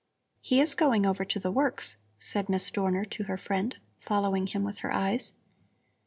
"He is going over to the works," said Miss Dorner to her friend, following him with her eyes.